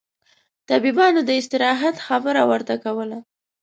طبيبانو داستراحت خبره ورته کوله.